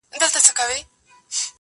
دا روايت د ټولنې ژور نقد وړلاندي کوي,